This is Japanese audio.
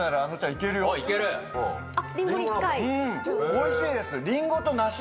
おいしいです。